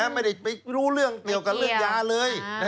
ไม่รู้เรื่องเดียวกันเรื่องยาเลย